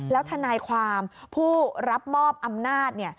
แล้วทนายความผู้รับมอบอำนาจ